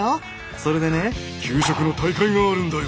それでね給食の大会があるんだよ！